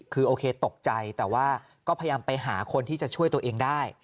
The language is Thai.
คือโอเคตกใจแต่ว่าก็พยายามไปหาคนที่จะช่วยตัวเองได้